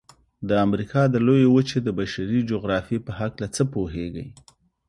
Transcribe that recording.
د امریکا د لویې وچې د بشري جغرافیې په هلکه څه پوهیږئ؟